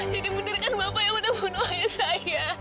jadi benarkan bapak yang sudah membunuh ayah saya